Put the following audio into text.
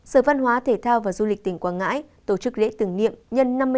sở văn hóa thể thao và du lịch tỉnh quảng ngãi tổ chức lễ tưởng niệm nhân năm mươi năm